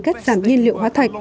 các giảm nhiên liệu hóa thạch